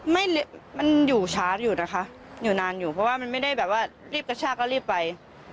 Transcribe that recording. ไม่มันอยู่ชาร์จอยู่นะคะอยู่นานอยู่เพราะว่ามันไม่ได้แบบว่ารีบกระชากก็รีบไป